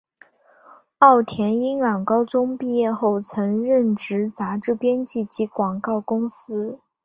奥田英朗高中毕业后曾任职杂志编辑及广告公司。